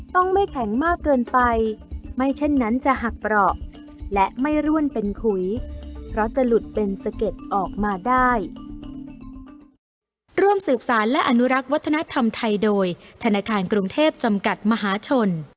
ไม่แข็งมากเกินไปไม่เช่นนั้นจะหักเปราะและไม่ร่วนเป็นขุยเพราะจะหลุดเป็นสะเก็ดออกมาได้